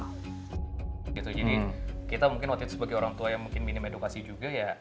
jadi kita mungkin waktu itu sebagai orang tua yang mungkin minim edukasi juga ya